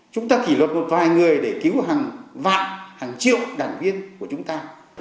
chúng ta kỷ luật một vài người để cứu hàng vạn hàng triệu đảng viên của chúng ta